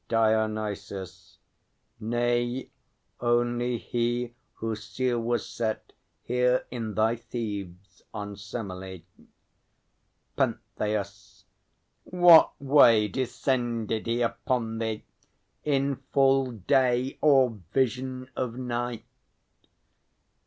DIONYSUS. Nay, only He whose seal was set Here in thy Thebes on Semelê. PENTHEUS. What way Descended he upon thee? In full day Or vision of night?